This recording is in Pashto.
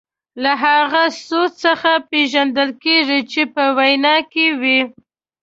له هغه سوز څخه پېژندل کیږي چې په وینا کې وي.